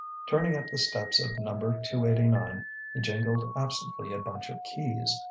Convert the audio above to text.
Turning up the steps of Number 289, he jingled absently a bunch of keys.